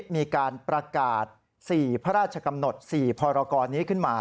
มีการประกาศ๔พระราชกำหนด๔พรกรนี้ขึ้นมา